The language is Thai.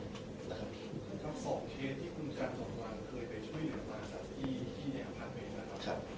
เทสที่คุณจันทร์ส่วนต่างเคยไปช่วยเหลือภาษาสตรีที่แหน่งภาคเมษันครับ